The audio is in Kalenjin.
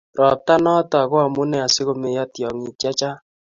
Robtanoto ko amune asikuneyo tyong'ik chechang'